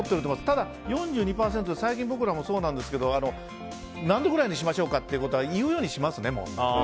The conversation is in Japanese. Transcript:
ただ、４２％で最近僕らもそうなんですけど何度くらいにしましょうかっていうことは言うようにしますね。